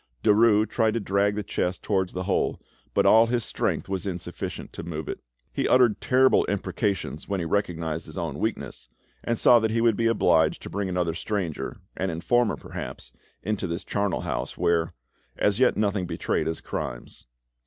Derues tried to drag the chest towards the hole, but all his strength was insufficient to move it. He uttered terrible imprecations when he recognised his own weakness, and saw that he would be obliged to bring another stranger, an informer perhaps, into this charnel house, where; as yet, nothing betrayed his crimes.